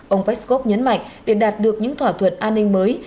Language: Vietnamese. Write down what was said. ông peskov nhấn mạnh để đạt được những thỏa thuận an ninh mới